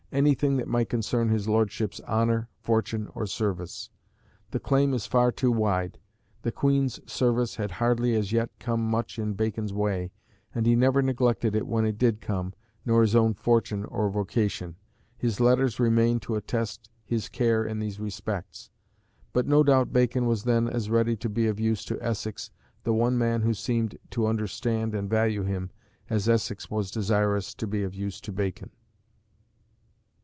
anything that might concern his lordship's honour, fortune, or service." The claim is far too wide. The "Queen's service" had hardly as yet come much in Bacon's way, and he never neglected it when it did come, nor his own fortune or vocation; his letters remain to attest his care in these respects. But no doubt Bacon was then as ready to be of use to Essex, the one man who seemed to understand and value him, as Essex was desirous to be of use to Bacon.